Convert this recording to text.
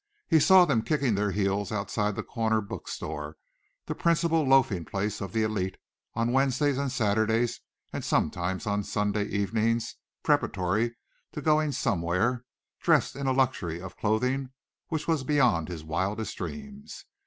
He saw them kicking their heels outside the corner book store, the principal loafing place of the elite, on Wednesdays and Saturdays and sometimes on Sunday evenings preparatory to going somewhere, dressed in a luxury of clothing which was beyond his wildest dreams.